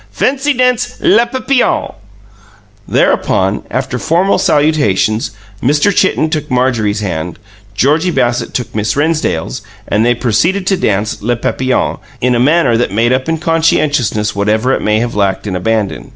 Fency dence, 'Les Papillons'." Thereupon, after formal salutations, Mr. Chitten took Marjorie's hand, Georgie Bassett took Miss Rennsdale's, and they proceeded to dance "Les Papillons" in a manner that made up in conscientiousness whatever it may have lacked in abandon.